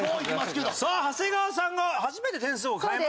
さあ長谷川さんが初めて点数を変えましたか？